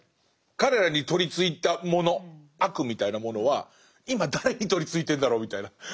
彼らに取りついたもの悪みたいなものは今誰に取りついてるんだろうみたいな。